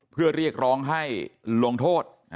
เพื่อเรียกร้องให้ลงโทษ